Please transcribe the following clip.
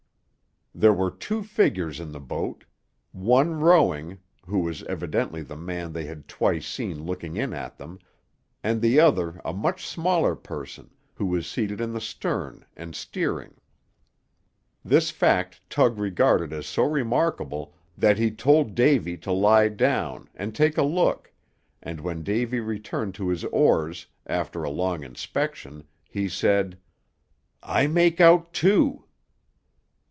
There were two figures in the boat; one rowing, who was evidently the man they had twice seen looking in at them, and the other a much smaller person, who was seated in the stern, and steering. This fact Tug regarded as so remarkable that he told Davy to lie down, and take a look, and when Davy returned to his oars, after a long inspection, he said: "I make out two."